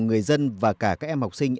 người dân và cả các em học sinh